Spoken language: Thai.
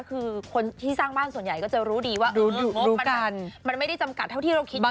คือคนที่สร้างบ้านส่วนใหญ่ก็จะรู้ดีว่างบมันไม่ได้จำกัดเท่าที่เราคิดว่า